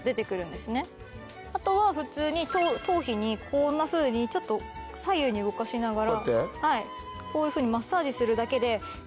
あとは普通に頭皮にこんなふうにちょっと左右に動かしながらこういうふうにマッサージするだけで。